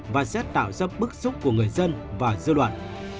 và sẽ tạo ra bức xúc của người dân và dư luận